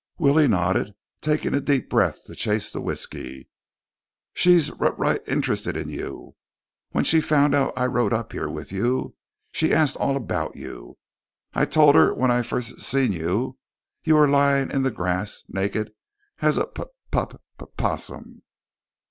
Willie nodded, taking a deep breath to chase the whisky. "She's r right interested in you. When she found out I rode up here with you, she asked all about you. I told her when I first s seen you, you was laying in the grass naked as a p pup p possum."